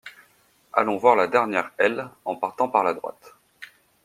Allons voir la dernière aile, en partant par la droite.